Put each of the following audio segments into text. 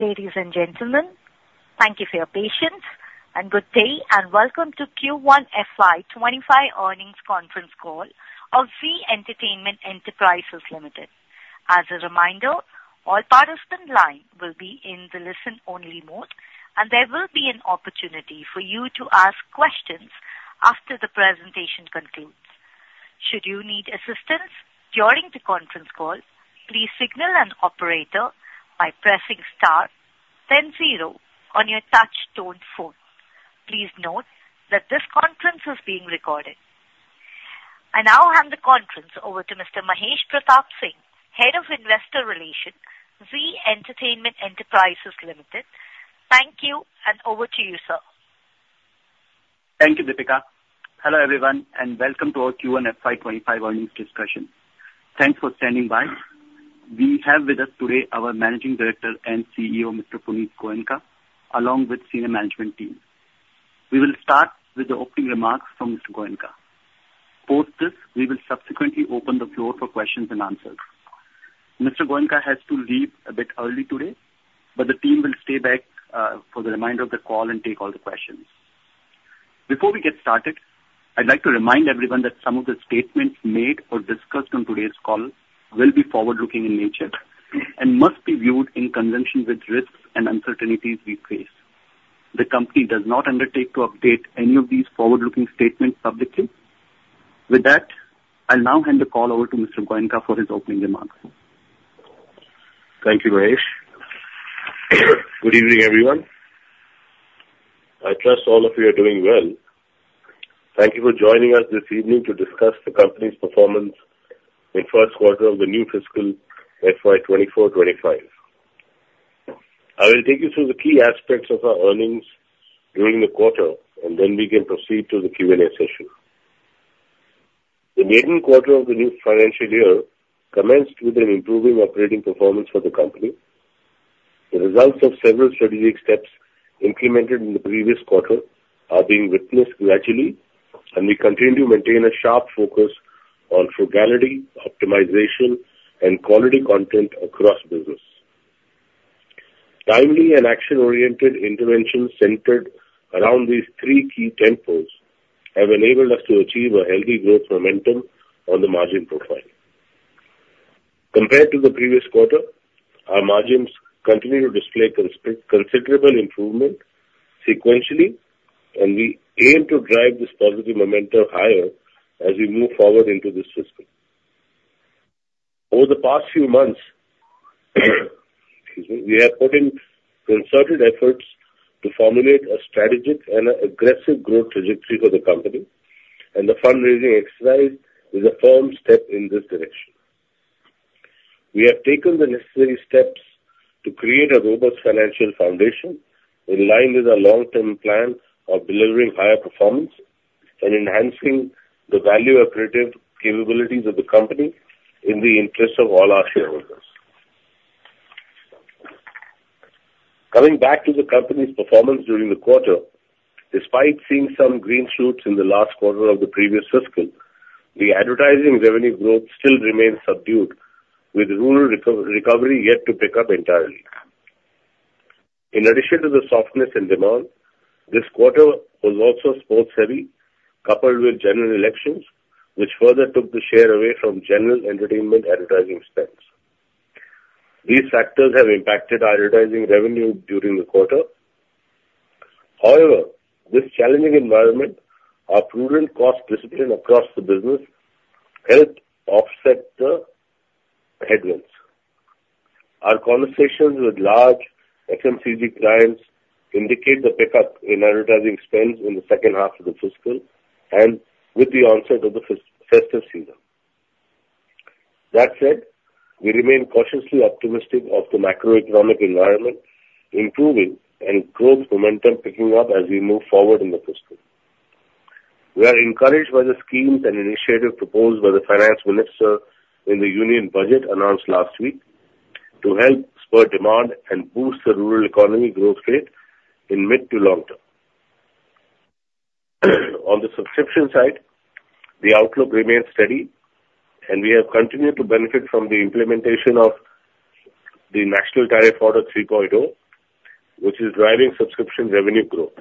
...Ladies and gentlemen, thank you for your patience, and good day, and welcome to Q1 FY25 earnings conference call of Zee Entertainment Enterprises Limited. As a reminder, all participants live will be in the listen-only mode, and there will be an opportunity for you to ask questions after the presentation concludes. Should you need assistance during the conference call, please signal an operator by pressing star then zero on your touch tone phone. Please note that this conference is being recorded. I now hand the conference over to Mr. Mahesh Pratap Singh, Head of Investor Relations, Zee Entertainment Enterprises Limited. Thank you, and over to you, sir. Thank you, Dipika. Hello, everyone, and welcome to our Q1 FY25 earnings discussion. Thanks for standing by. We have with us today our Managing Director and CEO, Mr. Punit Goenka, along with senior management team. We will start with the opening remarks from Mr. Goenka. Post this, we will subsequently open the floor for questions and answers. Mr. Goenka has to leave a bit early today, but the team will stay back for the remainder of the call and take all the questions. Before we get started, I'd like to remind everyone that some of the statements made or discussed on today's call will be forward-looking in nature and must be viewed in conjunction with risks and uncertainties we face. The company does not undertake to update any of these forward-looking statements publicly. With that, I'll now hand the call over to Mr. Goenka for his opening remarks. Thank you, Mahesh. Good evening, everyone. I trust all of you are doing well. Thank you for joining us this evening to discuss the company's performance in first quarter of the new fiscal FY 2024-25. I will take you through the key aspects of our earnings during the quarter, and then we can proceed to the Q&A session. The maiden quarter of the new financial year commenced with an improving operating performance for the company. The results of several strategic steps implemented in the previous quarter are being witnessed gradually, and we continue to maintain a sharp focus on frugality, optimization, and quality content across business. Timely and action-oriented interventions centered around these three key tenets have enabled us to achieve a healthy growth momentum on the margin profile. Compared to the previous quarter, our margins continue to display considerable improvement sequentially, and we aim to drive this positive momentum higher as we move forward into this fiscal. Over the past few months, excuse me, we have put in concerted efforts to formulate a strategic and aggressive growth trajectory for the company, and the fundraising exercise is a firm step in this direction. We have taken the necessary steps to create a robust financial foundation in line with our long-term plan of delivering higher performance and enhancing the value accretive capabilities of the company in the interest of all our shareholders. Coming back to the company's performance during the quarter, despite seeing some green shoots in the last quarter of the previous fiscal. The advertising revenue growth still remains subdued, with rural recovery yet to pick up entirely. In addition to the softness in demand, this quarter was also sports-heavy, coupled with general elections, which further took the share away from general entertainment advertising spends. These factors have impacted our advertising revenue during the quarter. However, in this challenging environment, our prudent cost discipline across the business helped offset the headwinds. Our conversations with large FMCG clients indicate the pickup in advertising spends in the second half of the fiscal and with the onset of the festive season. That said, we remain cautiously optimistic of the macroeconomic environment improving and growth momentum picking up as we move forward in the fiscal. We are encouraged by the schemes and initiatives proposed by the Finance Minister in the Union Budget announced last week to help spur demand and boost the rural economy growth rate in mid to long term. On the subscription side, the outlook remains steady, and we have continued to benefit from the implementation of the National Tariff Order 3.0, which is driving subscription revenue growth.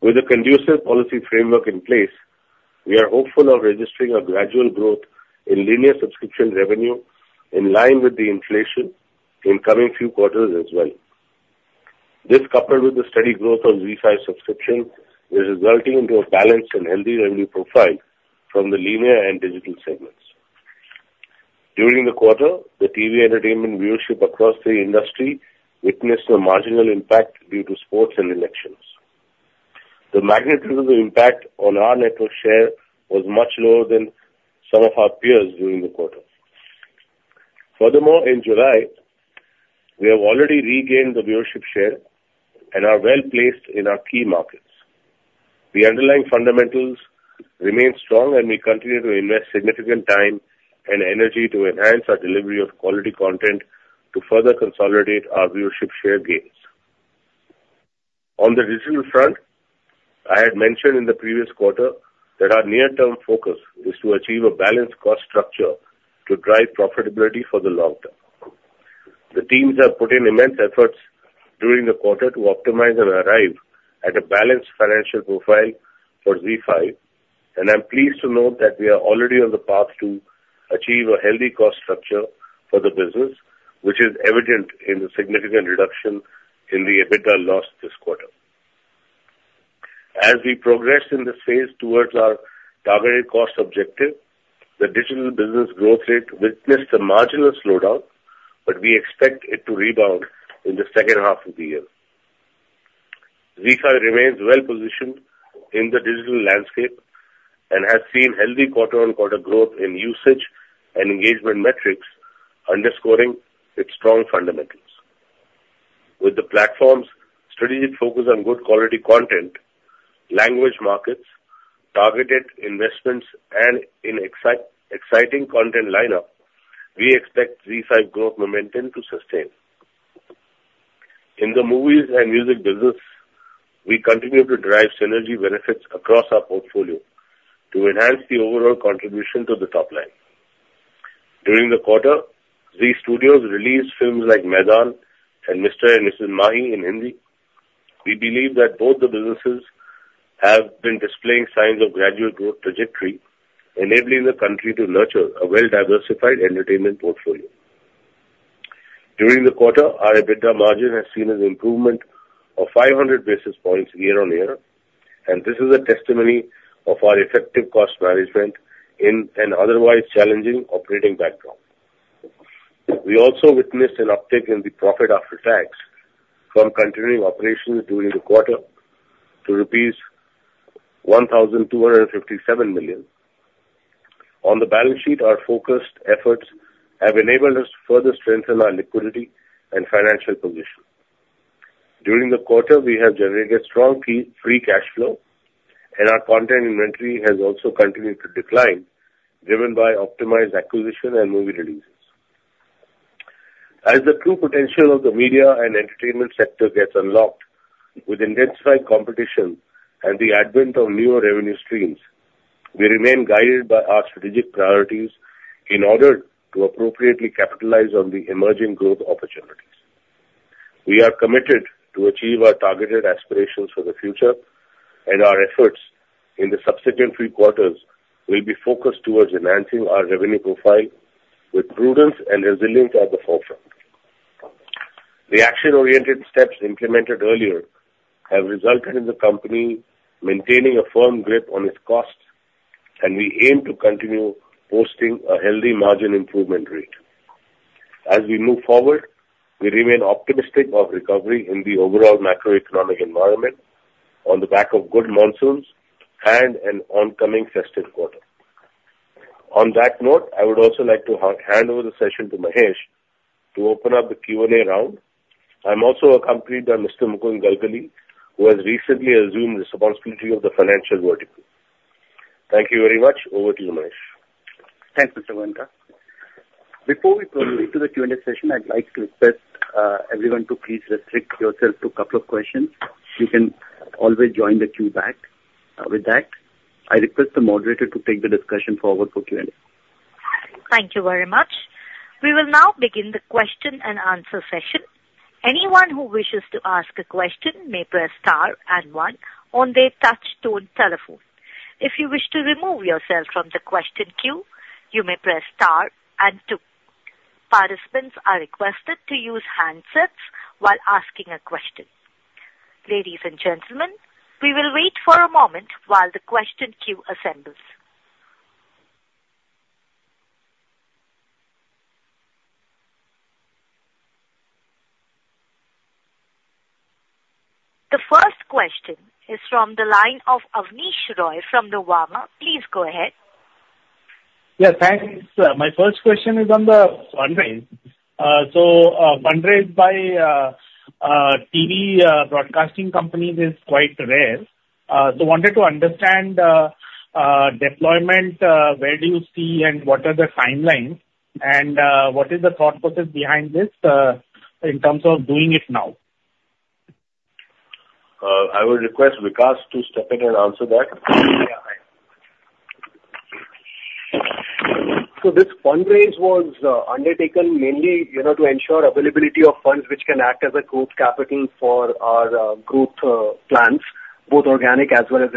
With a conducive policy framework in place, we are hopeful of registering a gradual growth in linear subscription revenue in line with the inflation in coming few quarters as well. This, coupled with the steady growth of ZEE5 subscription, is resulting into a balanced and healthy revenue profile from the linear and digital segments. During the quarter, the TV entertainment viewership across the industry witnessed a marginal impact due to sports and elections. The magnitude of the impact on our network share was much lower than some of our peers during the quarter. Furthermore, in July, we have already regained the viewership share and are well placed in our key markets. The underlying fundamentals remain strong, and we continue to invest significant time and energy to enhance our delivery of quality content to further consolidate our viewership share gains. On the digital front, I had mentioned in the previous quarter that our near-term focus is to achieve a balanced cost structure to drive profitability for the long term. The teams have put in immense efforts during the quarter to optimize and arrive at a balanced financial profile for ZEE5, and I'm pleased to note that we are already on the path to achieve a healthy cost structure for the business, which is evident in the significant reduction in the EBITDA loss this quarter. As we progress in this phase towards our targeted cost objective, the digital business growth rate witnessed a marginal slowdown, but we expect it to rebound in the second half of the year. ZEE5 remains well positioned in the digital landscape and has seen healthy quarter-on-quarter growth in usage and engagement metrics, underscoring its strong fundamentals. With the platform's strategic focus on good quality content, language markets, targeted investments, and an exciting content lineup, we expect ZEE5 growth momentum to sustain. In the movies and music business, we continue to drive synergy benefits across our portfolio to enhance the overall contribution to the top line. During the quarter, Zee Studios released films like Maidaan and Mr. and Mrs. Mahi in Hindi. We believe that both the businesses have been displaying signs of gradual growth trajectory, enabling the country to nurture a well Diversified entertainment portfolio. During the quarter, our EBITDA margin has seen an improvement of 500 basis points year-on-year, and this is a testimony of our effective cost management in an otherwise challenging operating backdrop. We also witnessed an uptick in the profit after tax from continuing operations during the quarter to rupees 1,257 million. On the balance sheet, our focused efforts have enabled us to further strengthen our liquidity and financial position. During the quarter, we have generated strong free cash flow, and our content inventory has also continued to decline, driven by optimized acquisition and movie releases. As the true potential of the media and entertainment sector gets unlocked with intensified competition and the advent of newer revenue streams, we remain guided by our strategic priorities in order to appropriately capitalize on the emerging growth opportunities. We are committed to achieve our targeted aspirations for the future, and our efforts in the subsequent three quarters will be focused towards enhancing our revenue profile with prudence and resilience at the forefront. The action-oriented steps implemented earlier have resulted in the company maintaining a firm grip on its costs, and we aim to continue posting a healthy margin improvement rate. As we move forward, we remain optimistic of recovery in the overall macroeconomic environment on the back of good monsoons and an oncoming festive quarter. On that note, I would also like to hand over the session to Mahesh to open up the Q&A round. I'm also accompanied by Mr. Mukund Galgali, who has recently assumed the responsibility of the financial vertical. Thank you very much. Over to you, Mahesh. Thanks, Mr. Goenka. Before we proceed to the Q&A session, I'd like to request everyone to please restrict yourself to a couple of questions. You can always join the queue back. With that, I request the moderator to take the discussion forward for Q&A. Thank you very much. We will now begin the question and answer session. Anyone who wishes to ask a question may press star and one on their touch tone telephone. If you wish to remove yourself from the question queue, you may press star and two. Participants are requested to use handsets while asking a question. Ladies and gentlemen, we will wait for a moment while the question queue assembles. The first question is from the line of Abneesh Roy from Nuvama. Please go ahead. Yeah, thanks. My first question is on the fundraise. So, fundraise by TV broadcasting companies is quite rare. So wanted to understand deployment, where do you see and what are the timelines and what is the thought process behind this, in terms of doing it now? I would request Vikas to step in and answer that. So this fundraise was undertaken mainly, you know, to ensure availability of funds which can act as a growth capital for our growth plans, both organic as well as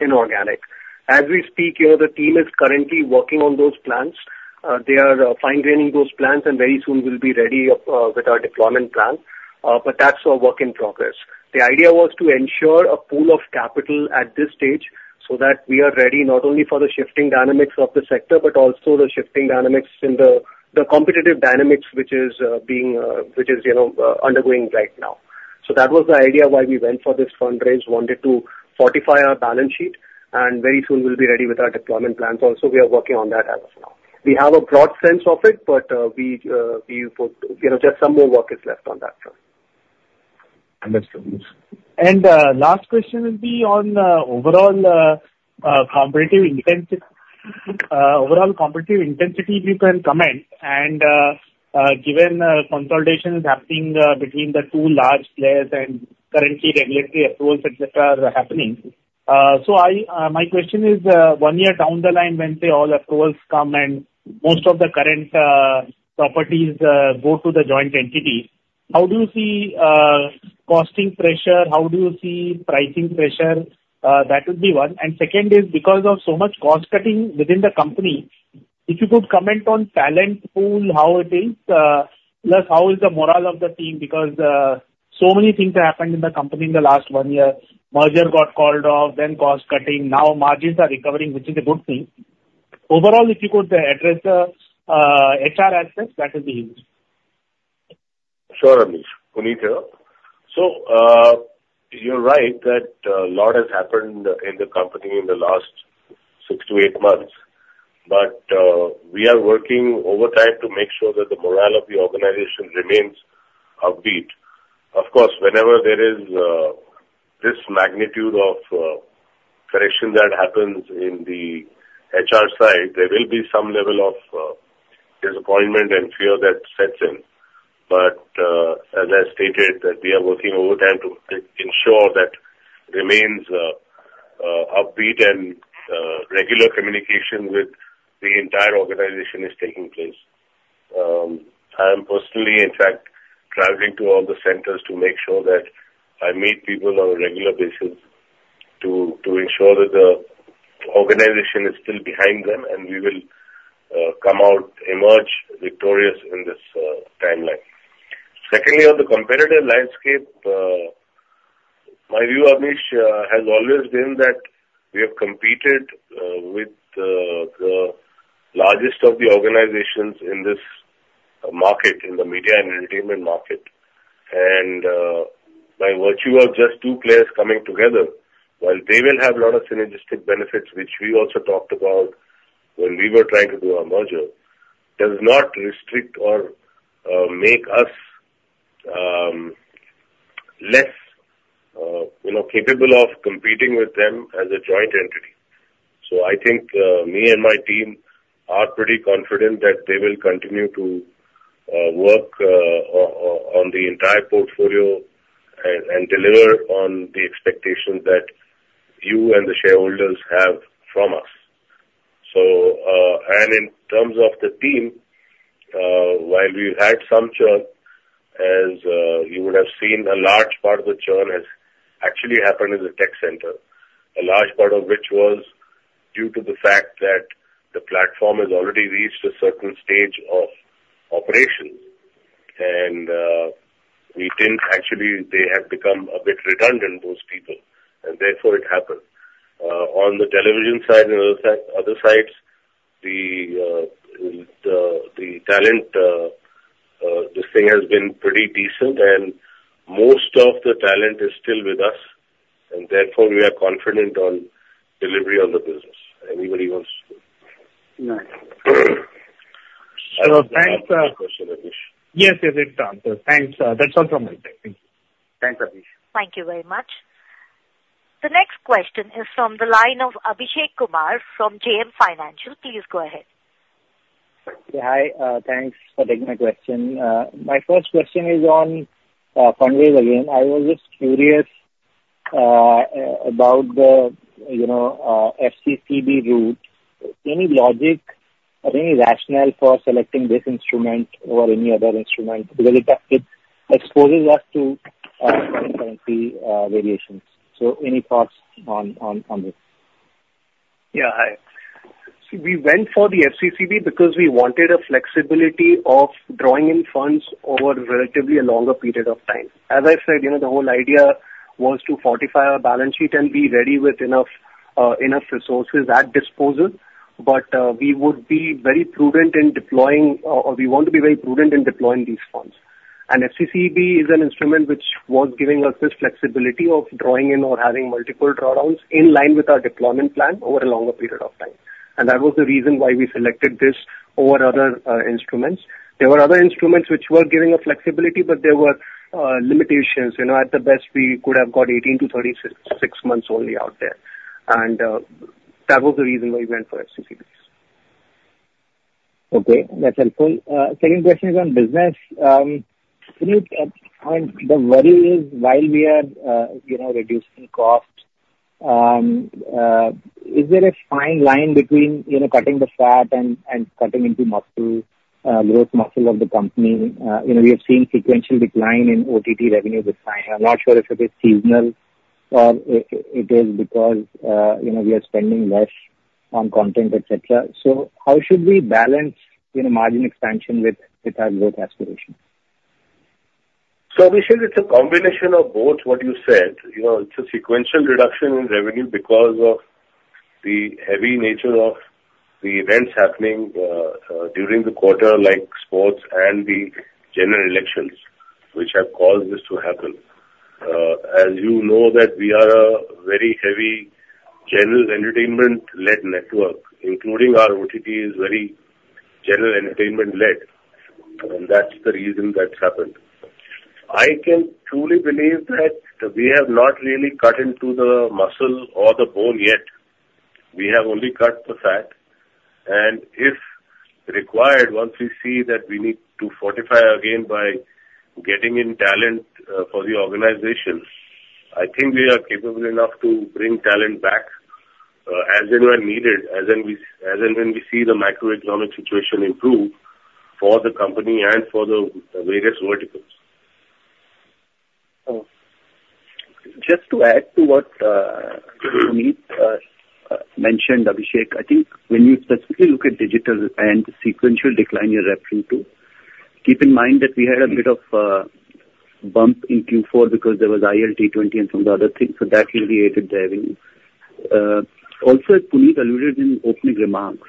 inorganic. As we speak, you know, the team is currently working on those plans. They are fine-tuning those plans, and very soon we'll be ready with our deployment plan. But that's a work in progress. The idea was to ensure a pool of capital at this stage so that we are ready not only for the shifting dynamics of the sector, but also the shifting dynamics in the competitive dynamics, which is, you know, undergoing right now. So that was the idea why we went for this fundraise, wanted to fortify our balance sheet, and very soon we'll be ready with our deployment plans. Also, we are working on that as of now. We have a broad sense of it, but, we hope, you know, just some more work is left on that front. Understood. Last question will be on overall competitive intensity. Overall competitive intensity, you can comment, and given consolidations happening between the two large players and currently regulatory approvals, et cetera, are happening. So my question is, one year down the line, when, say, all approvals come and most of the current properties go to the joint entity, how do you see costing pressure? How do you see pricing pressure? That would be one. And second is because of so much cost-cutting within the company, if you could comment on talent pool, how it is, plus how is the morale of the team? Because so many things happened in the company in the last one year. Merger got called off, then cost cutting, now margins are recovering, which is a good thing. Overall, if you could address the HR aspect, that would be useful. Sure, Amish. Punit here. So, you're right that a lot has happened in the company in the last 6-8 months, but we are working overtime to make sure that the morale of the organization remains upbeat. Of course, whenever there is this magnitude of correction that happens in the HR side, there will be some level of disappointment and fear that sets in. But as I stated, we are working overtime to ensure that remains upbeat and regular communication with the entire organization is taking place. I am personally, in fact, traveling to all the centers to make sure that I meet people on a regular basis to ensure that the organization is still behind them, and we will come out, emerge victorious in this timeline. Secondly, on the competitive landscape, my view, Abneesh, has always been that we have competed with the largest of the organizations in this market, in the media and entertainment market. By virtue of just two players coming together, while they will have a lot of synergistic benefits, which we also talked about when we were trying to do our merger, does not restrict or make us less, you know, capable of competing with them as a joint entity. So I think me and my team are pretty confident that they will continue to work on the entire portfolio and deliver on the expectations that you and the shareholders have from us. So, in terms of the team, while we've had some churn, as you would have seen, a large part of the churn has actually happened in the tech center, a large part of which was due to the fact that the platform has already reached a certain stage of operations. We think actually they have become a bit redundant, those people, and therefore it happened. On the television side and other facets, other sides, the talent, this thing has been pretty decent and most of the talent is still with us, and therefore we are confident on delivery on the business. Anybody wants to? No. So thanks, Question, Abhneesh. Yes, yes, it's answered. Thanks. That's all from my end. Thank you. Thanks, Abhneesh. Thank you very much. The next question is from the line of Abhishek Kumar from JM Financial. Please go ahead. Hi, thanks for taking my question. My first question is on fundraise again. I was just curious about the, you know, FCCB route. Any logic or any rationale for selecting this instrument over any other instrument, because it exposes us to currency variations. So any thoughts on this? Yeah, hi. See, we went for the FCCB because we wanted a flexibility of drawing in funds over relatively a longer period of time. As I said, you know, the whole idea was to fortify our balance sheet and be ready with enough, enough resources at disposal. But, we would be very prudent in deploying, or we want to be very prudent in deploying these funds. An FCCB is an instrument which was giving us this flexibility of drawing in or having multiple drawdowns in line with our deployment plan over a longer period of time. And that was the reason why we selected this over other, instruments. There were other instruments which were giving us flexibility, but there were, limitations. You know, at the best, we could have got 18-36 months only out there. That was the reason why we went for FCCBs. Okay, that's helpful. Second question is on business. Punit, I mean, the worry is, while we are, you know, reducing costs, is there a fine line between, you know, cutting the fat and, and cutting into muscle, growth muscle of the company? You know, we have seen sequential decline in OTT revenue this time. I'm not sure if it is seasonal or it is because, you know, we are spending less on content, et cetera. So how should we balance, you know, margin expansion with, with our growth aspirations? So Abhishek, it's a combination of both what you said. You know, it's a sequential reduction in revenue because of the heavy nature of the events happening, during the quarter, like sports and the general elections, which have caused this to happen. As you know that we are a very heavy general entertainment-led network, including our OTT, is very general entertainment-led... and that's the reason that's happened. I can truly believe that we have not really cut into the muscle or the bone yet. We have only cut the fat, and if required, once we see that we need to fortify again by getting in talent, for the organization, I think we are capable enough to bring talent back, as and when needed, as and when we see the macroeconomic situation improve for the company and for the various verticals. Oh, just to add to what, Punit, mentioned, Abhishek, I think when you specifically look at digital and sequential decline you're referring to, keep in mind that we had a bit of, bump in Q4 because there was ILT20 and some of the other things, so that really aided there. Also, as Punit alluded in opening remarks,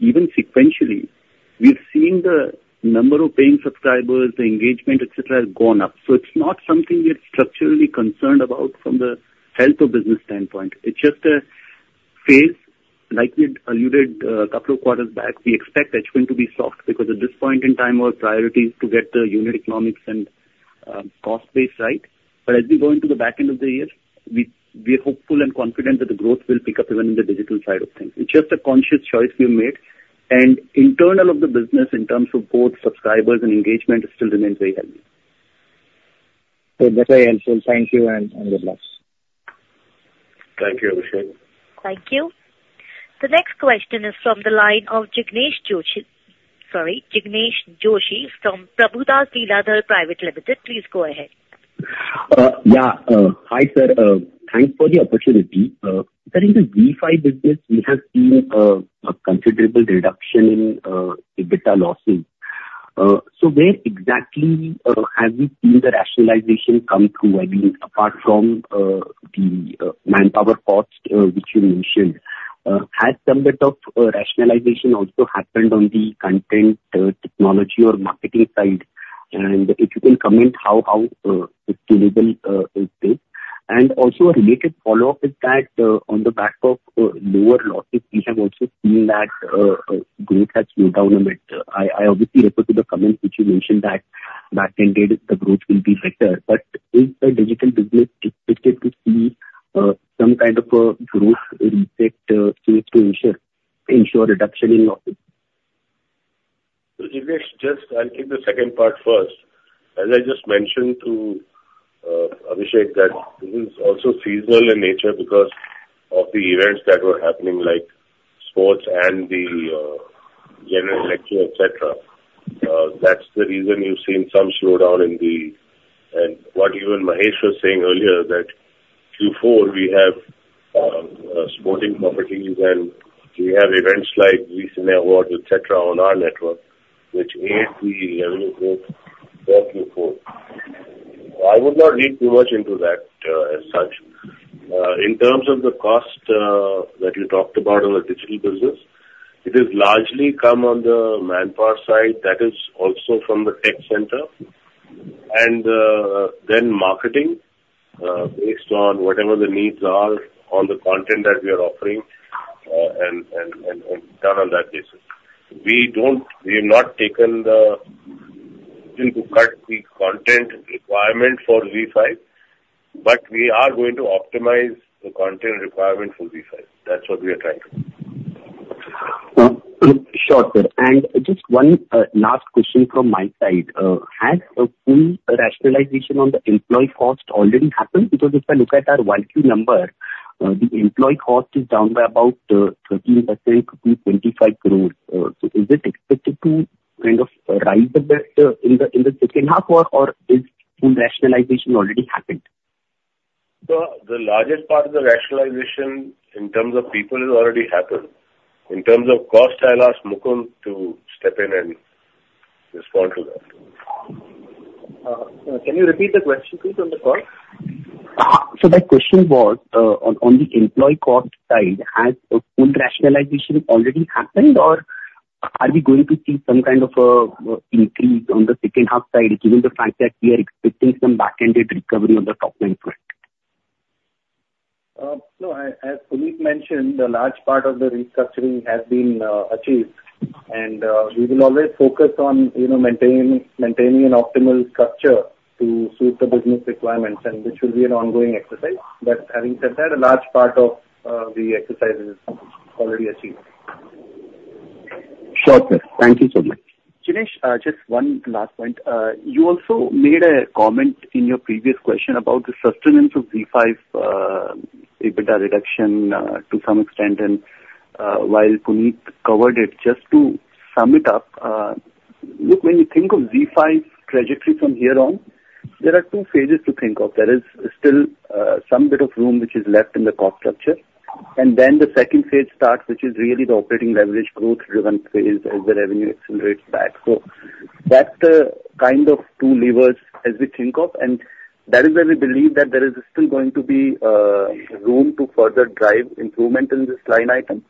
even sequentially, we've seen the number of paying subscribers, the engagement, et cetera, has gone up. So it's not something we're structurally concerned about from the health of business standpoint. It's just a phase, like we alluded, a couple of quarters back. We expect H1 to be soft because at this point in time, our priority is to get the unit economics and, cost base right. But as we go into the back end of the year, we are hopeful and confident that the growth will pick up even in the digital side of things. It's just a conscious choice we've made, and internal of the business in terms of both subscribers and engagement, it still remains very healthy. That's very helpful. Thank you, and good luck. Thank you, Abhishek. Thank you. The next question is from the line of Jinesh Joshi. Sorry, Jinesh Joshi from Prabhudas Lilladher Private Limited. Please go ahead. Yeah, hi, sir. Thanks for the opportunity. Sir, in the ZEE5 business, we have seen a considerable reduction in EBITDA losses. So where exactly have you seen the rationalization come through? I mean, apart from the manpower cost, which you mentioned. Has some bit of rationalization also happened on the content, technology or marketing side? And if you can comment how sustainable is this. And also a related follow-up is that, on the back of lower losses, we have also seen that growth has slowed down a bit. I obviously refer to the comments which you mentioned that back ended, the growth will be better. Is the digital business expected to see some kind of a growth in effect so as to ensure reduction in losses? So, Jignesh, just I'll take the second part first. As I just mentioned to Abhishek, that this is also seasonal in nature because of the events that were happening, like sports and the general election, et cetera. That's the reason you've seen some slowdown in the... And what even Mahesh was saying earlier, that Q4, we have sporting properties and we have events like recent awards, et cetera, on our network, which aid the revenue growth Q4. I would not read too much into that, as such. In terms of the cost that you talked about on the digital business, it is largely come on the manpower side. That is also from the tech center. And then marketing, based on whatever the needs are on the content that we are offering, and done on that basis. We have not taken the to cut the content requirement for ZEE5, but we are going to optimize the content requirement for ZEE5. That's what we are trying to do. Sure, good. And just one last question from my side. Has a full rationalization on the employee cost already happened? Because if I look at our Q1 number, the employee cost is down by about 13% to 25 crore. So is it expected to kind of rise a bit in the second half or is full rationalization already happened? So the largest part of the rationalization in terms of people has already happened. In terms of cost, I'll ask Mukund to step in and respond to that. Can you repeat the question, please, on the call? So my question was, on the employee cost side, has a full rationalization already happened, or are we going to see some kind of increase on the second half side, given the fact that we are expecting some back-ended recovery on the top-end front? So as Punit mentioned, a large part of the restructuring has been achieved. And we will always focus on, you know, maintaining an optimal structure to suit the business requirements and which will be an ongoing exercise. But having said that, a large part of the exercise is already achieved. Sure, sir. Thank you so much. Jinesh, just one last point. You also made a comment in your previous question about the sustenance of ZEE5, EBITDA reduction, to some extent, and, while Punit covered it, just to sum it up, look, when you think of ZEE5's trajectory from here on, there are two phases to think of. There is still, some bit of room which is left in the cost structure. And then the second phase starts, which is really the operating leverage growth-driven phase as the revenue accelerates back. So that's, kind of two levers as we think of, and that is where we believe that there is still going to be, room to further drive improvement in this line item.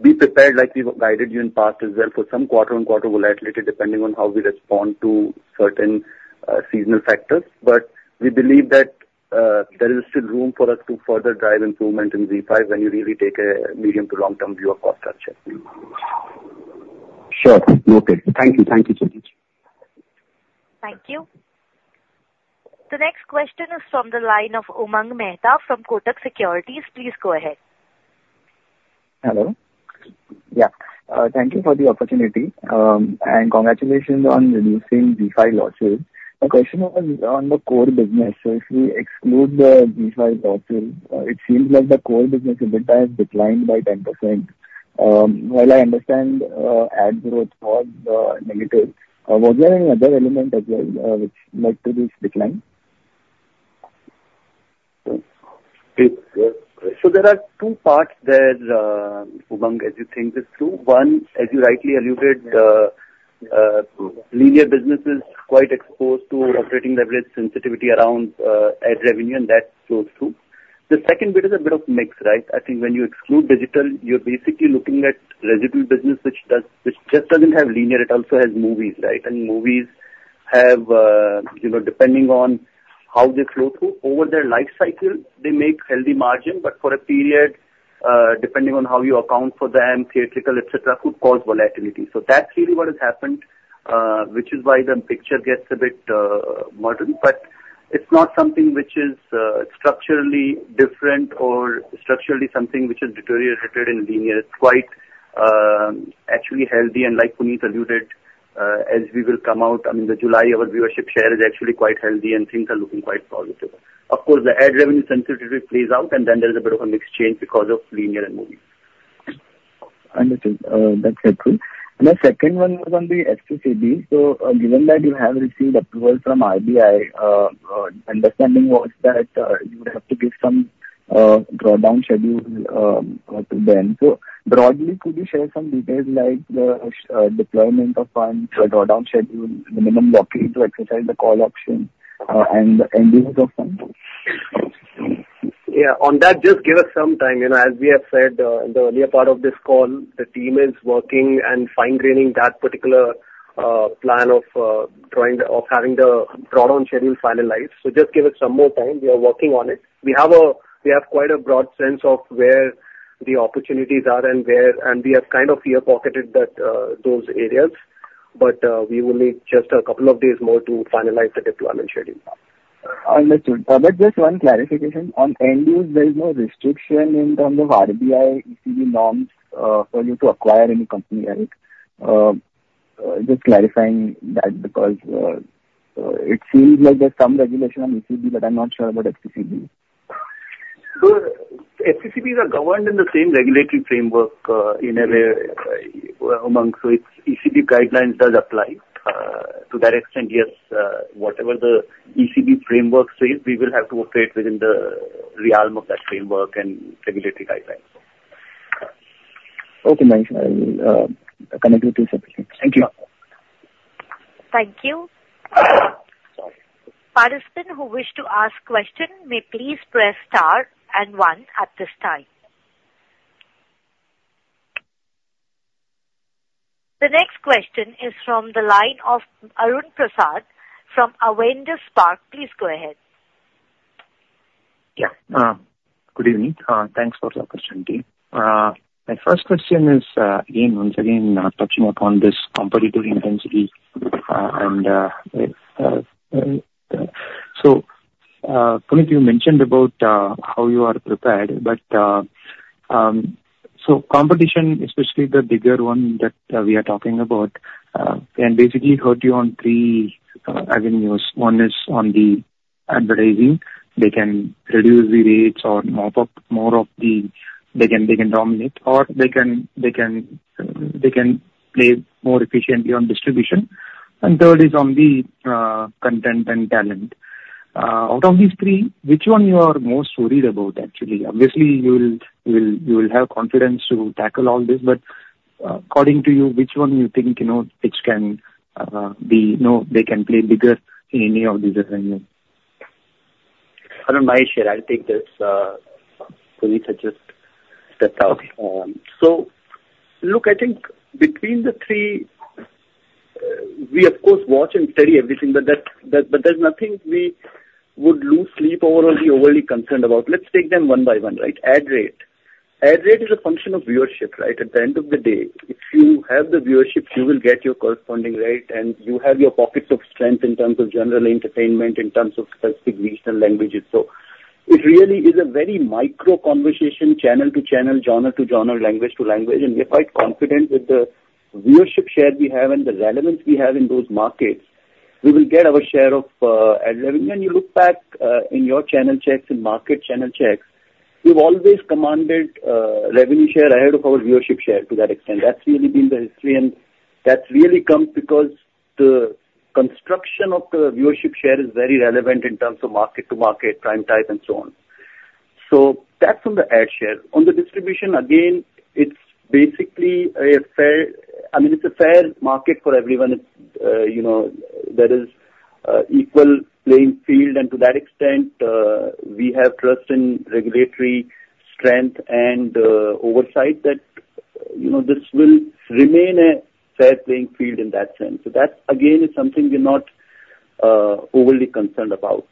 Be prepared, like we've guided you in past as well, for some quarter and quarter volatility, depending on how we respond to-... Certain seasonal factors, but we believe that there is still room for us to further drive improvement in ZEE5 when you really take a medium to long-term view of cost structure. Sure. Okay. Thank you. Thank you, Jinesh. Thank you. The next question is from the line of Umang Mehta from Kotak Securities. Please go ahead. Hello. Yeah, thank you for the opportunity, and congratulations on reducing ZEE5 losses. My question was on the core business. So if you exclude the ZEE5 losses, it seems like the core business EBITDA has declined by 10%. While I understand ad growth was negative, was there any other element as well which led to this decline? So there are two parts there, Umang, as you think this through. One, as you rightly alluded, linear business is quite exposed to operating leverage sensitivity around ad revenue, and that shows true. The second bit is a bit of mix, right? I think when you exclude digital, you're basically looking at residual business, which just doesn't have linear, it also has movies, right? And movies have, you know, depending on how they flow through over their life cycle, they make healthy margin, but for a period, depending on how you account for them, theatrical, et cetera, could cause volatility. So that's really what has happened, which is why the picture gets a bit muddled, but it's not something which is structurally different or structurally something which has deteriorated in linear. It's quite actually healthy, and like Punit alluded, as we will come out, I mean, the July, our viewership share is actually quite healthy and things are looking quite positive. Of course, the ad revenue sensitivity plays out, and then there is a bit of a mix change because of linear and movies. Understood. That's helpful. And the second one was on the FCCB. So, given that you have received approval from RBI, understanding was that, you would have to give some, drawdown schedule, to them. So broadly, could you share some details like the, deployment of funds, the drawdown schedule, the minimum block need to exercise the call option, and use of funds? Yeah. On that, just give us some time. You know, as we have said in the earlier part of this call, the team is working and fine-graining that particular plan of having the drawdown schedule finalized. So just give us some more time. We are working on it. We have quite a broad sense of where the opportunities are and where. And we have kind of earmarked those areas, but we will need just a couple of days more to finalize the deployment schedule. Understood. But just one clarification. On end use, there is no restriction in terms of RBI ECB norms, for you to acquire any company, right? Just clarifying that because, it seems like there's some regulation on ECB, but I'm not sure about FCCB. So FCCBs are governed in the same regulatory framework, in a way, Umang, so its ECB guidelines does apply. To that extent, yes, whatever the ECB framework says, we will have to operate within the realm of that framework and regulatory guidelines. Okay, nice. I will connect with you separately. Thank you. Thank you. Participants who wish to ask question, may please press star and one at this time. The next question is from the line of Arun Prasath from Avendus Spark. Please go ahead. Yeah. Good evening. Thanks for the opportunity. My first question is, again, once again, touching upon this competitive intensity, and... So, Punit, you mentioned about how you are prepared, but, so competition, especially the bigger one that we are talking about, can basically hurt you on three avenues. One is on the advertising. They can reduce the rates or mop up more of the- they can, they can dominate, or they can, they can, they can play more efficiently on distribution. And third is on the content and talent. Out of these three, which one you are most worried about, actually? Obviously, you will, you will, you will have confidence to tackle all this, but, according to you, which one you think, you know, which can, be, you know, they can play bigger in any of these avenues? Arun, my share, I'll take this. Punit has just stepped out. Okay. So look, I think between the three, we of course watch and study everything, but there's nothing we would lose sleep over or be overly concerned about. Let's take them one by one, right? Ad rate. Ad rate is a function of viewership, right? At the end of the day, if you have the viewership, you will get your corresponding rate, and you have your pockets of strength in terms of general entertainment, in terms of specific regional languages. So it really is a very micro conversation, channel to channel, genre to genre, language to language, and we are quite confident with the viewership share we have and the relevance we have in those markets. We will get our share of ad revenue. When you look back, in your channel checks and market channel checks, we've always commanded, revenue share ahead of our viewership share to that extent. That's really been the history, and that's really come because the construction of the viewership share is very relevant in terms of market to market, prime time, and so on. So that's on the ad share. On the distribution, again, it's basically a fair market for everyone. It's, you know, there is an equal playing field, and to that extent, we have trust in regulatory strength and, oversight that, you know, this will remain a fair playing field in that sense. So that, again, is something we're not, overly concerned about.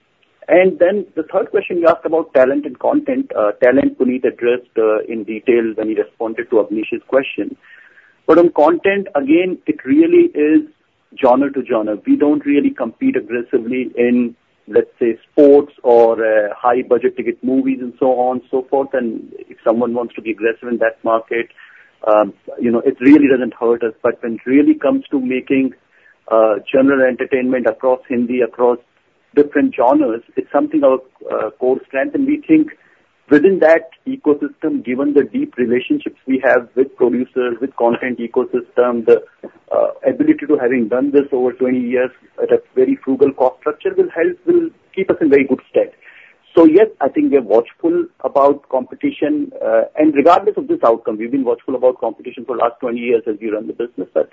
And then the third question you asked about talent and content. Talent, Punit addressed in detail when he responded to Avnish's question. But on content, again, it really is genre to genre. We don't really compete aggressively in, let's say, sports or high budget ticket movies and so on and so forth. And if someone wants to be aggressive in that market, you know, it really doesn't hurt us. But when it really comes to making general entertainment across Hindi, across different genres, it's something our core strength, and we think within that ecosystem, given the deep relationships we have with producers, with content ecosystem, the ability to having done this over 20 years at a very frugal cost structure, will help, will keep us in very good stead. So, yes, I think we're watchful about competition. Regardless of this outcome, we've been watchful about competition for the last 20 years as we run the business. But,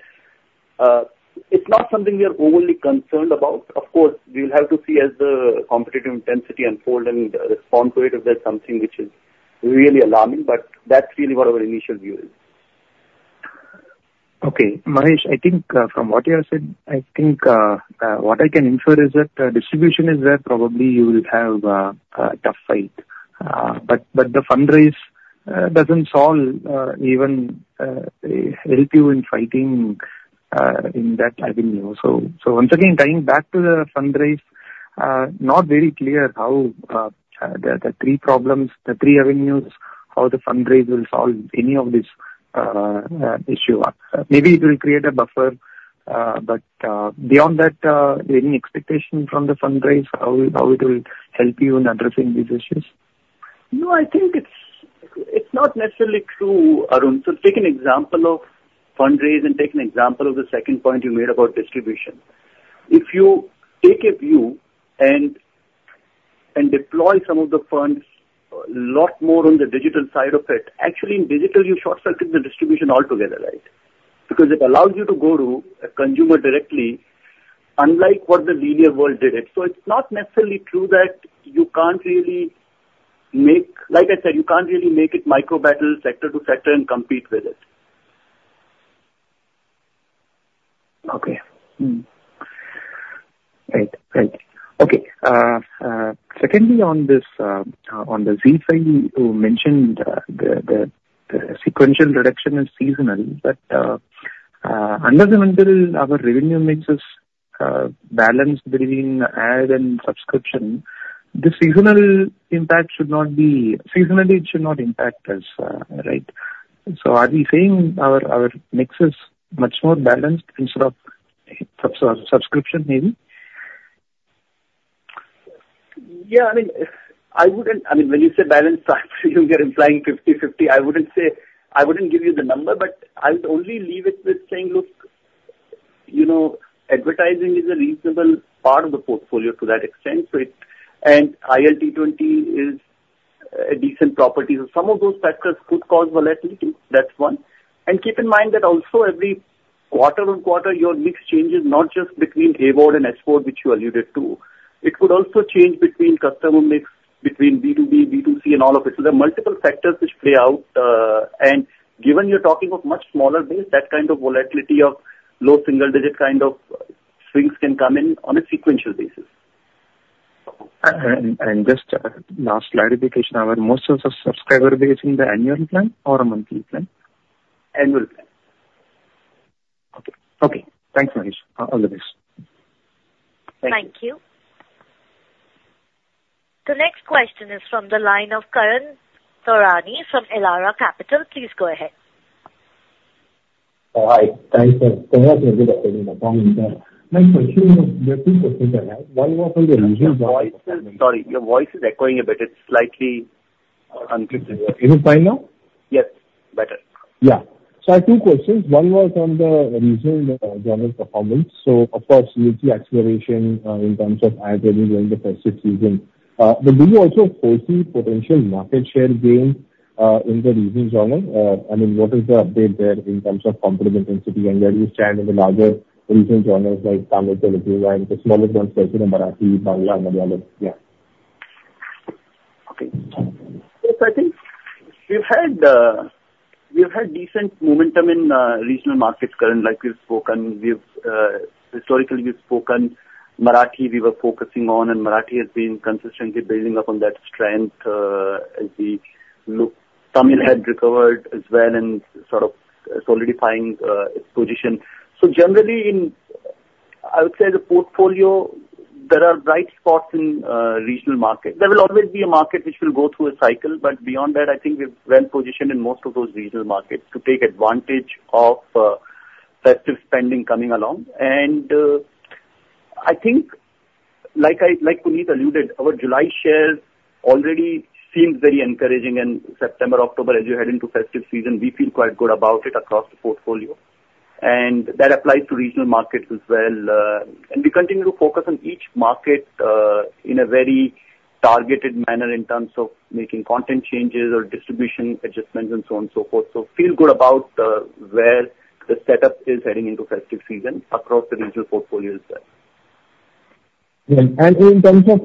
it's not something we are overly concerned about. Of course, we'll have to see as the competitive intensity unfold and respond to it if there's something which is really alarming, but that's really what our initial view is. Okay, Mahesh, I think, from what you have said, I think, what I can infer is that distribution is where probably you will have a tough fight. But the fundraise doesn't solve, even help you in fighting in that avenue. So once again, coming back to the fundraise, not very clear how the three problems, the three avenues, how the fundraise will solve any of this issue. Maybe it will create a buffer, but beyond that, any expectation from the fundraise, how it will help you in addressing these issues? No, I think it's, it's not necessarily true, Arun. So take an example of fundraise and take an example of the second point you made about distribution. If you take a view and, and deploy some of the funds a lot more on the digital side of it, actually, in digital, you short-circuit the distribution altogether, right? Because it allows you to go to a consumer directly, unlike what the linear world did it. So it's not necessarily true that you can't really make... Like I said, you can't really make it micro battle, sector to sector, and compete with it. Okay. Right. Right. Okay. Secondly, on this, on the ZEE5, you mentioned, the sequential reduction is seasonal, but, I understand our revenue mixes balance between ad and subscription. The seasonal impact should not be seasonally, it should not impact us, right? So are we saying our mix is much more balanced instead of subscription, maybe? Yeah, I mean, I wouldn't. I mean, when you say balanced, you're implying 50/50. I wouldn't say... I wouldn't give you the number, but I would only leave it with saying, look, you know, advertising is a reasonable part of the portfolio to that extent, so it... And ILT20 is a decent property. So some of those factors could cause volatility. That's one. And keep in mind that also every quarter-on-quarter, your mix changes, not just between AVOD and SVOD, which you alluded to. It could also change between customer mix, between B2B, B2C and all of it. So there are multiple factors which play out, and given you're talking of much smaller base, that kind of volatility of low single-digit kind of swings can come in on a sequential basis. Just last clarification, our most of the subscriber base in the annual plan or a monthly plan? Annual plan. Okay. Okay, thanks, Mahesh. All the best. Thank you. Thank you. The next question is from the line of Karan Taurani from Elara Capital. Please go ahead. Hi. Thanks for in the morning, sir. My question, there are two questions I have. One was on the regional- Your voice is... Sorry, your voice is echoing a bit. It's slightly unclear. Is it fine now? Yes, better. Yeah. So I have two questions. One was on the regional genre performance. So of course, we see acceleration in terms of ad revenue during the festive season. But do you also foresee potential market share gains in the regional genre? I mean, what is the update there in terms of competitive intensity and where you stand in the larger regional genres like Tamil, Telugu and the smaller ones such as Marathi, Bangla, Malayalam? Yeah. Okay. Yes, I think we've had, we've had decent momentum in regional markets, Karan. Like we've spoken, we've historically, we've spoken Marathi, we were focusing on, and Marathi has been consistently building upon that strength, as we look. Tamil had recovered as well and sort of solidifying its position. So generally in, I would say, the portfolio, there are bright spots in regional markets. There will always be a market which will go through a cycle, but beyond that, I think we're well positioned in most of those regional markets to take advantage of festive spending coming along. And, I think, like I, like Punit alluded, our July shares already seems very encouraging, and September, October, as you head into festive season, we feel quite good about it across the portfolio. And that applies to regional markets as well. And we continue to focus on each market in a very targeted manner in terms of making content changes or distribution adjustments and so on and so forth. So feel good about where the setup is heading into festive season across the regional portfolio as well.... Yeah, and in terms of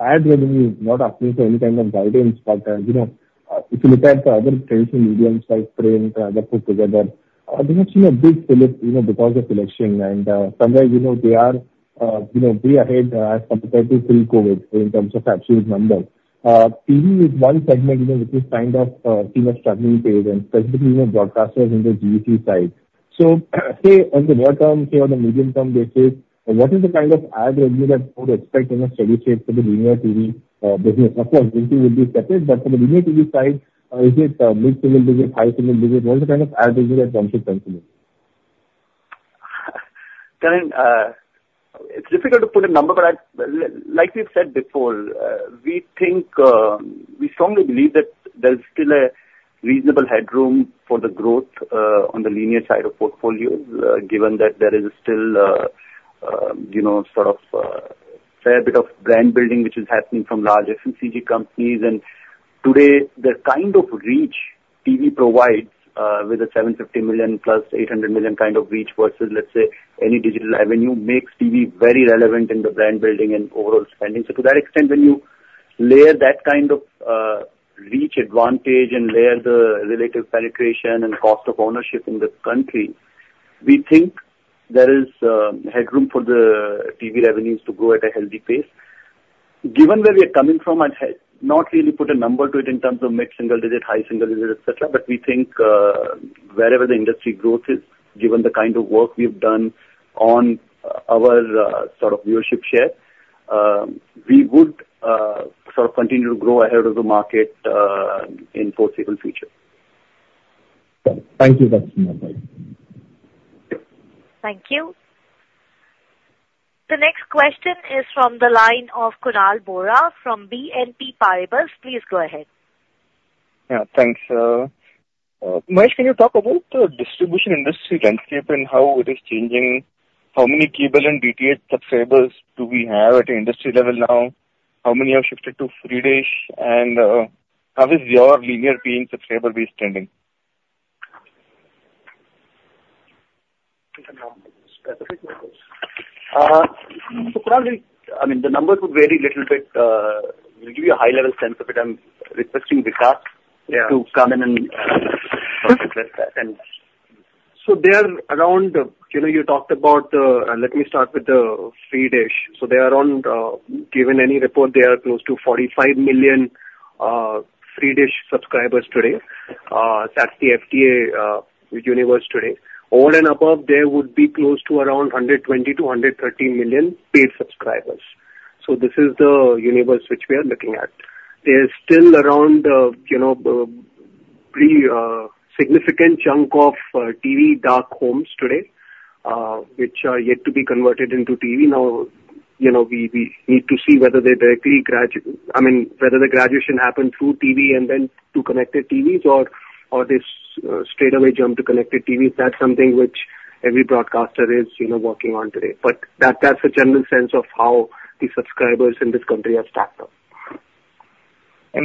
ad revenue, not asking for any kind of guidance, but you know, if you look at the other trends in mediums like frame and other put together, they've seen a big flip, you know, because of election and somewhere, you know, they are way ahead as compared to pre-COVID in terms of absolute numbers. TV is one segment, you know, which is kind of in a struggling phase, and specifically, you know, broadcasters in the D2C side. So say, on the near term, say, on the medium term basis, what is the kind of ad revenue that one would expect in a steady state for the Linear TV business? Of course, Disney would be separate, but from the Linear TV side, is it mid-single digit, high single digit? What's the kind of ad revenue that one should think in it? Karan, it's difficult to put a number, but I, like we've said before, we think, we strongly believe that there's still a reasonable headroom for the growth, on the linear side of portfolio, given that there is still, you know, sort of, fair bit of brand building, which is happening from large FMCG companies. Today, the kind of reach TV provides, with a 750 million plus, 800 million kind of reach versus, let's say, any digital avenue, makes TV very relevant in the brand building and overall spending. To that extent, when you layer that kind of, reach advantage and layer the relative penetration and cost of ownership in this country, we think there is, headroom for the TV revenues to grow at a healthy pace. Given where we are coming from, I'd not really put a number to it in terms of mid-single digit, high single digit, et cetera, but we think, wherever the industry growth is, given the kind of work we've done on our, sort of viewership share, we would, sort of continue to grow ahead of the market, in foreseeable future. Thank you, Mahesh. Thank you. The next question is from the line of Kunal Vora from BNP Paribas. Please go ahead. Yeah, thanks. Mahesh, can you talk about the distribution industry landscape and how it is changing? How many cable and DTH subscribers do we have at an industry level now? How many have shifted to Free Dish? And, how is your linear paying subscriber base trending? Kunal, I mean, the numbers would vary little bit. We'll give you a high-level sense of it. I'm requesting Vikas- Yeah. to come in and address that. So they're around, you know, you talked about the... Let me start with the Free Dish. So they are around, given any report, they are close to 45 million Free Dish subscribers today. That's the FTA universe today. Over and above, there would be close to around 120-130 million paid subscribers. So this is the universe which we are looking at. There's still around, you know, pretty significant chunk of TV dark homes today, which are yet to be converted into TV. Now, you know, we need to see whether they directly—I mean, whether the graduation happened through TV and then to connected TVs or this straightaway jump to connected TVs. That's something which every broadcaster is, you know, working on today. But that, that's a general sense of how the subscribers in this country are stacked up.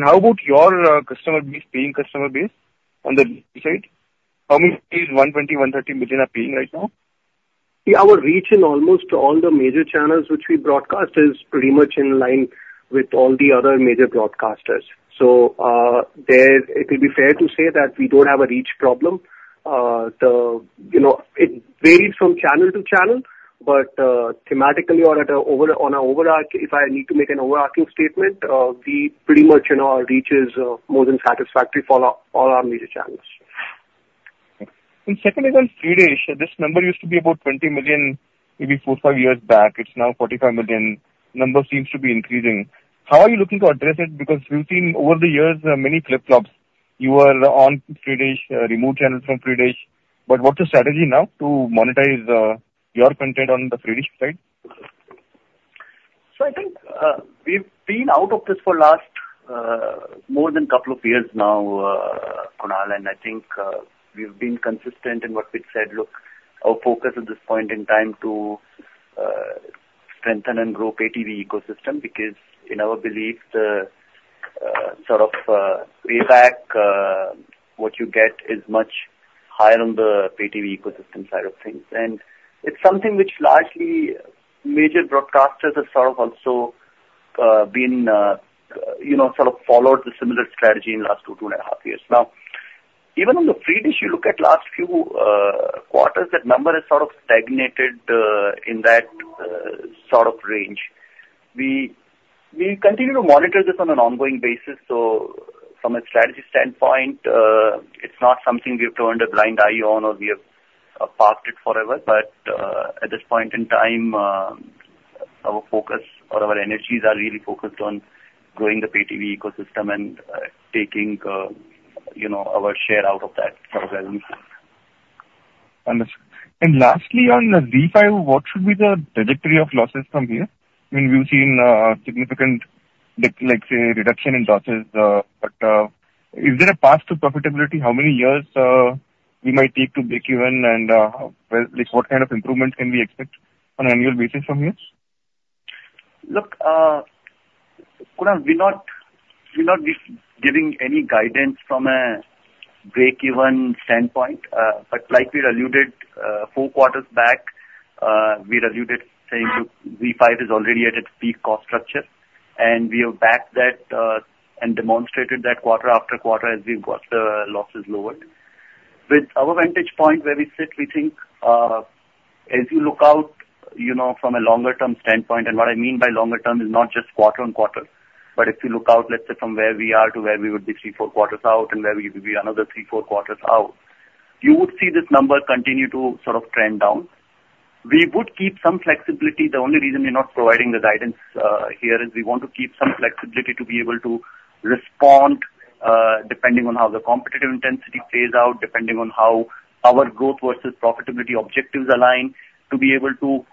How about your customer base, paying customer base on the DTH side? How many is 120, 130 million are paying right now? Yeah, our reach in almost all the major channels which we broadcast is pretty much in line with all the other major broadcasters. So, it will be fair to say that we don't have a reach problem. You know, it varies from channel to channel, but thematically or overall, on an overarching, if I need to make an overarching statement, we pretty much, you know, our reach is more than satisfactory for all our, all our major channels. Second is on Free Dish. This number used to be about 20 million, maybe 4, 5 years back. It's now 45 million. Number seems to be increasing. How are you looking to address it? Because we've seen over the years, many flip-flops. You were on Free Dish, removed channels from Free Dish. But what's the strategy now to monetize your content on the Free Dish side? So I think, we've been out of this for last, more than couple of years now, Kunal, and I think, we've been consistent in what we've said. Look, our focus at this point in time to, strengthen and grow pay-TV ecosystem, because in our belief, sort of, payback, what you get is much higher on the pay-TV ecosystem side of things. And it's something which largely major broadcasters have sort of also, been, you know, sort of followed a similar strategy in last 2.5 years. Now, even on the Free Dish, you look at last few, quarters, that number has sort of stagnated, in that, sort of range. We continue to monitor this on an ongoing basis. So from a strategy standpoint, it's not something we've turned a blind eye on, or we have parked it forever. But at this point in time, our focus or our energies are really focused on growing the pay-TV ecosystem and taking, you know, our share out of that from revenues. Understood. And lastly, on Zee5, what should be the trajectory of losses from here? I mean, we've seen, significant, like, say, reduction in losses, but, is there a path to profitability? How many years, we might take to break even? And, well, like, what kind of improvement can we expect on an annual basis from here? Look, Kunal, we're not, we're not giving any guidance from a breakeven standpoint. But like we alluded, four quarters back, we alluded saying that Zee5 is already at its peak cost structure, and we have backed that, and demonstrated that quarter after quarter as we've got the losses lowered. With our vantage point where we sit, we think, as you look out, you know, from a longer term standpoint, and what I mean by longer term is not just quarter on quarter. But if you look out, let's say from where we are to where we would be three, four quarters out and where we would be another three, four quarters out, you would see this number continue to sort of trend down. We would keep some flexibility. The only reason we're not providing the guidance here, is we want to keep some flexibility to be able to respond, depending on how the competitive intensity plays out, depending on how our growth versus profitability objectives align, to be able to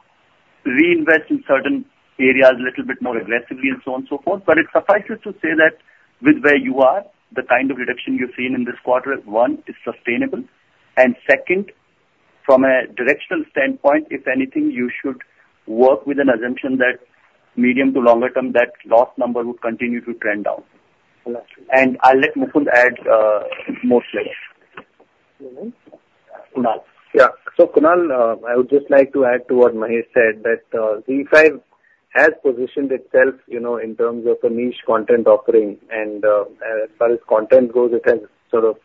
reinvest in certain areas a little bit more aggressively, and so on, so forth. But it suffices to say that with where you are, the kind of reduction you're seeing in this quarter, one, is sustainable. And second, from a directional standpoint, if anything, you should work with an assumption that medium to longer term, that loss number would continue to trend down. Got you. I'll let Nikhilesh add more slides. Nikhil? Kunal. Yeah. So, Kunal, I would just like to add to what Mahesh said, that, ZEE5 has positioned itself, you know, in terms of a niche content offering. And, as far as content goes, it has sort of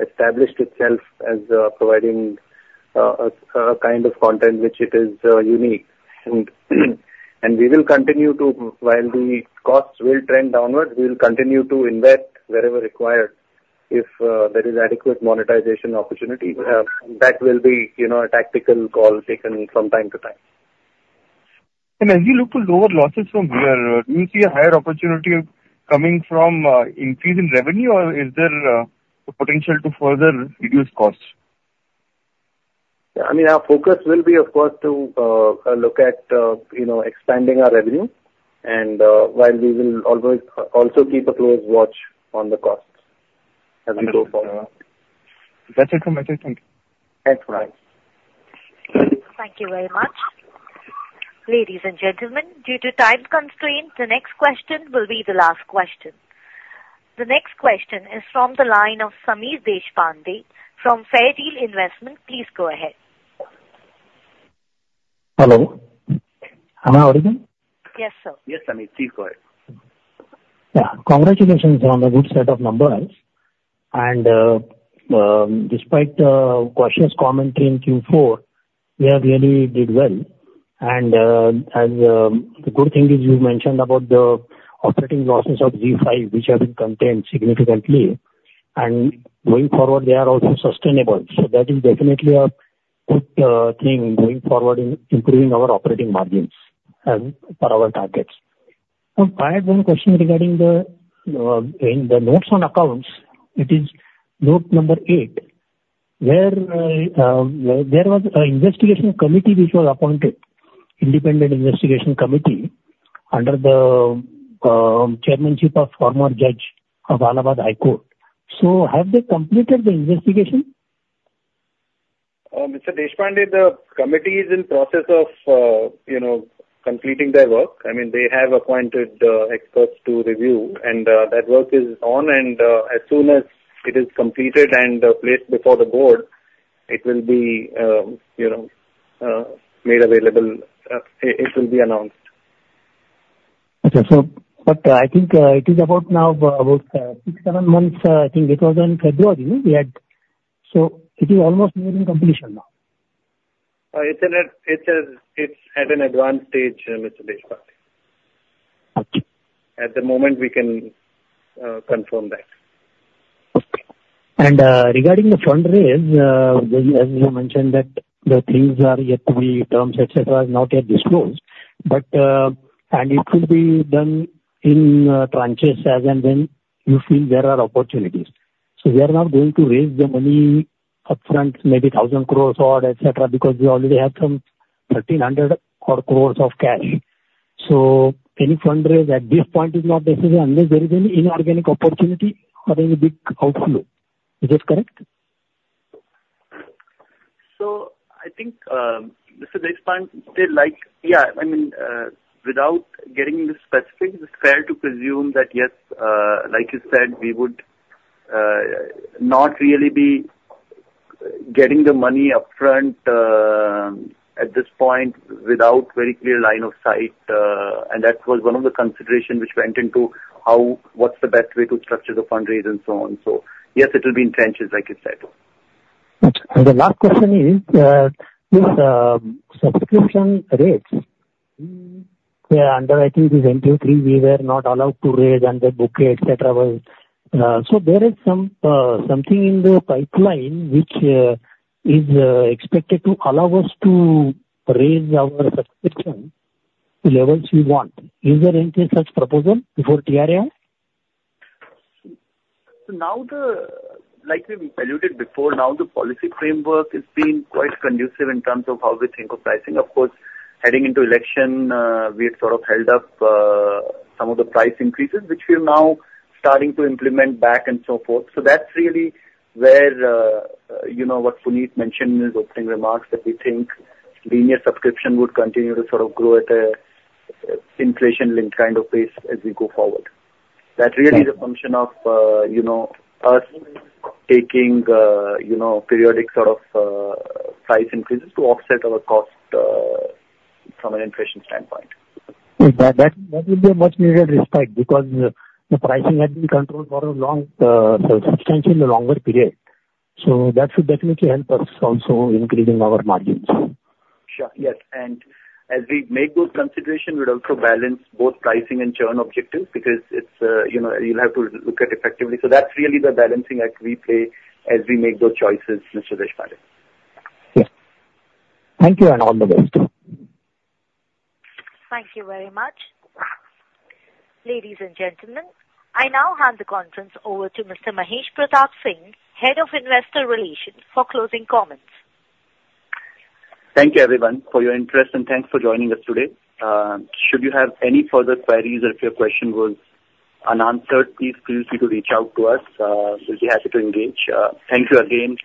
established itself as, providing, a kind of content which it is unique. And we will continue to... While the costs will trend downwards, we will continue to invest wherever required if, there is adequate monetization opportunity. That will be, you know, a tactical call taken from time to time. And as you look to lower losses from here, do you see a higher opportunity coming from, increase in revenue, or is there, a potential to further reduce costs? I mean, our focus will be, of course, to look at, you know, expanding our revenue, and while we will always also keep a close watch on the costs as we go forward. That's it from my side. Thank you. That's right. Thank you very much. Ladies and gentlemen, due to time constraints, the next question will be the last question. The next question is from the line of Sameer Deshpande from Fairdeal Investment. Please go ahead. Hello. Am I audible? Yes, sir. Yes, Sameer, please go ahead. Yeah. Congratulations on the good set of numbers. And, despite cautious commentary in Q4, we have really did well. And, as the good thing is you mentioned about the operating losses of Zee5, which have been contained significantly, and going forward, they are also sustainable. So that is definitely a good thing going forward in improving our operating margins and for our targets. So I had one question regarding the in the notes on accounts, it is note number eight, where there was an investigation committee which was appointed, independent investigation committee, under the chairmanship of former judge of Allahabad High Court. So have they completed the investigation? Mr. Deshpande, the committee is in process of, you know, completing their work. I mean, they have appointed experts to review, and that work is on, and as soon as it is completed and placed before the board, it will be, you know, made available. It will be announced. Okay. So, but I think it is about now, about six, seven months. I think it was in February we had. So it is almost nearing completion now? It's at an advanced stage, Mr. Deshpande. Okay. At the moment, we can confirm that. Regarding the fundraise, as you mentioned, that the things are yet to be terms, et cetera, is not yet disclosed, but, and it will be done in tranches as and when you feel there are opportunities. So we are not going to raise the money upfront, maybe 1,000 crore or et cetera, because we already have some 1,300-odd crore of cash. So any fundraise at this point is not necessary unless there is any inorganic opportunity or any big outflow. Is this correct? So I think, Mr. Deshpande, like... Yeah, I mean, without getting into specifics, it's fair to presume that, yes, like you said, we would not really be getting the money upfront at this point, without very clear line of sight, and that was one of the consideration which went into how, what's the best way to structure the fundraise and so on. So yes, it will be in tranches, like you said. The last question is, with subscription rates, where under 23, I think it is, we were not allowed to raise under bouquet, et cetera, so there is some something in the pipeline which is expected to allow us to raise our subscription levels we want. Is there any such proposal before TRAI? So now, like we alluded before, now the policy framework is being quite conducive in terms of how we think of pricing. Of course, heading into election, we had sort of held up some of the price increases, which we are now starting to implement back and so forth. So that's really where, you know, what Punit mentioned in his opening remarks, that we think linear subscription would continue to sort of grow at a inflation-linked kind of pace as we go forward. Right. That really is a function of, you know, us taking, you know, periodic sort of, price increases to offset our cost, from an inflation standpoint. That will be a much-needed respite, because the pricing had been controlled for a long, substantially longer period. So that should definitely help us also increasing our margins. Sure. Yes, and as we make those considerations, we'd also balance both pricing and churn objectives, because it's, you know, you'll have to look at effectively. So that's really the balancing act we play as we make those choices, Mr. Deshpande. Yes. Thank you, and all the best. Thank you very much. Ladies and gentlemen, I now hand the conference over to Mr. Mahesh Pratap Singh, Head of Investor Relations, for closing comments. Thank you, everyone, for your interest, and thanks for joining us today. Should you have any further queries, or if your question was unanswered, please feel free to reach out to us. We'll be happy to engage. Thank you again,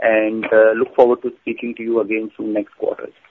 and look forward to speaking to you again soon, next quarter.